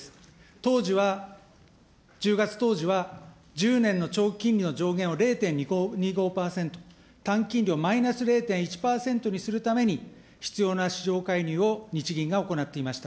当時は、１０月当時は、１０年の長期金利の上限を０．２５％、短期金利をマイナス０．１％にするために、必要な市場を日銀が行っています。